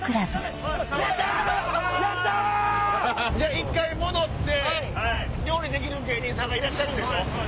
一回戻って料理できる芸人さんいらっしゃるんでしょ？